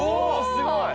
すごい！